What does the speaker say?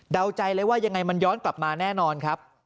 ใจเลยว่ายังไงมันย้อนกลับมาแน่นอนครับ